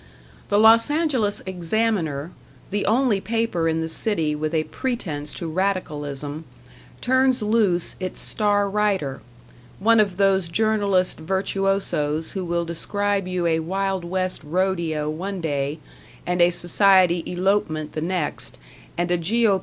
The Los Angeles "Examiner", the only paper in the city with a pretense to radicalism, turns loose its star writer one of those journalist virtuosos who will describe you a Wild West "rodeo" one day, and a society elopement the next, and a G.O.